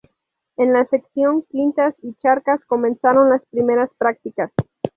En la sección quintas y chacras comenzaron las primeras practicas.